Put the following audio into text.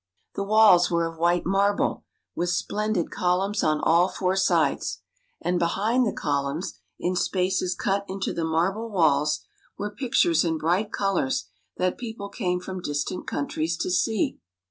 The walls were of white marble, with splendid columns on all four sides, and behind the columns, in spaces cut into the marble walls, were pictures in bright colors that people came from distant countries to see.